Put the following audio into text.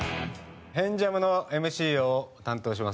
「変ジャム」のＭＣを担当します